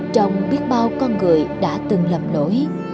trong biết bao con người đã từng lầm nỗi